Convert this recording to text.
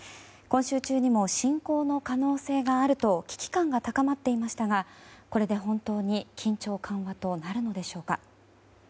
今週中にも侵攻の可能性があると危機感が高まっていましたがこれで本当に緊張緩和となるのでしょうか。